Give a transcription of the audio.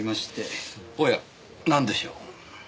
おやなんでしょう？